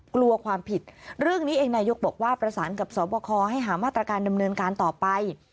กลัวความผิดเรื่องนี้เองนายกบอกว่าประสานกับสอบคอให้หามาตรการดำเนินการต่อไป